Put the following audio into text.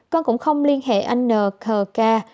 con cũng không liên hệ anh nờ khờ ca